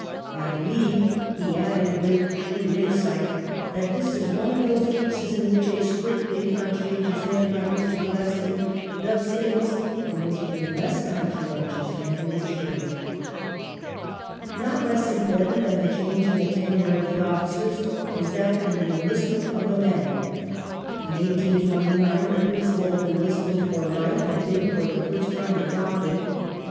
"I believe," he added with shrewd insight, "that this is one of those cases in which a strictly conscientious man like Mr. Gladstone does things fi*om which a less conscientious man would shrink ".^ Short Not less important than the change in the tenure of the officers was that in the enlistment of the men. In 1829 the principle of enlistment for life had been for the first time adopted.